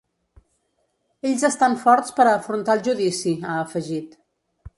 Ells estan forts per a afrontar el judici, ha afegit.